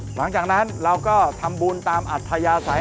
หลังจากนั้นเราก็ทำบุญตามอัธยาศัย